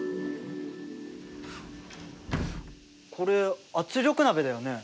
これ圧力鍋だよね？